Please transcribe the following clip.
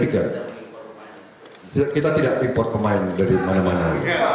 kita tidak import pemain dari mana mana